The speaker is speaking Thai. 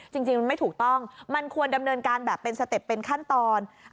จริงมันไม่ถูกต้องมันควรดำเนินการแบบเป็นสเต็ปเป็นขั้นตอน